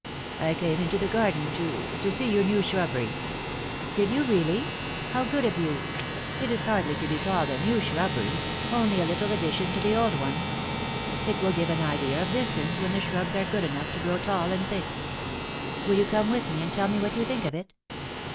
" I came into the garden to to see your new shrubbery." " Did you really ? how good of you ! It is hardly to be called a new shrubbery only a little addition to the oid one. It will give an idea of distance when the shrubs are good enough to grow tall and thick. Will you come with me and tell me what you think of it